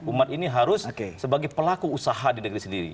umat ini harus sebagai pelaku usaha di negeri sendiri